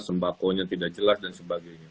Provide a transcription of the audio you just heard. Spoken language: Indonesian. sembako nya tidak jelas dan sebagainya